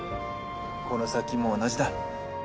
この先も同じだ。